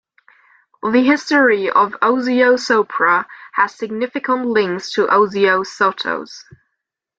The history of Osio Sopra has significant links to Osio Sotto's.